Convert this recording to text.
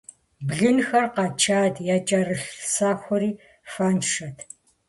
Блынхэр къэчат, якӀэрылъ сэхури фэншэт.